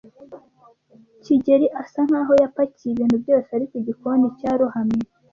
kigeli asa nkaho yapakiye ibintu byose ariko igikoni cyarohamye.